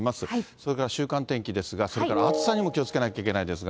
それから週間天気ですが、それから暑さにも気をつけなきゃいけな